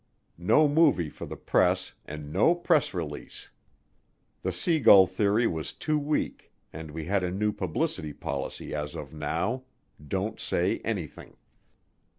No movie for the press and no press release. The sea gull theory was too weak, and we had a new publicity policy as of now don't say anything.